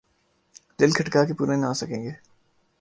دل کھٹکا کہ پورے نہ آسکیں گے ۔